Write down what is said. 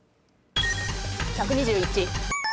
１２１。